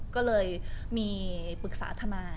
ก็เลยมีปรึกษาทนาย